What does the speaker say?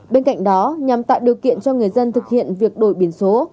bên cạnh đó nhằm tạo điều kiện cho người dân thực hiện việc đổi biển số